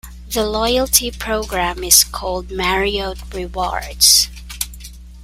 The loyalty program is called Marriott Rewards.